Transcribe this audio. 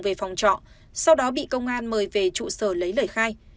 về phòng trọ sau đó bị công an mời về trụ sở lấy lời khai